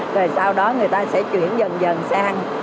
rồi sau đó người ta sẽ chuyển dần dần sang